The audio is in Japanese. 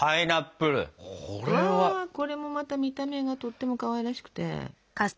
うわこれもまた見た目がとってもかわいらしくて。